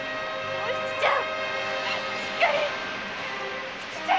お七ちゃん！